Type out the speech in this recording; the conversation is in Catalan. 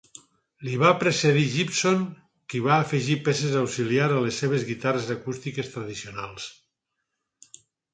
Li va precedir Gibson qui va afegir peces auxiliars a les seves guitarres acústiques tradicionals.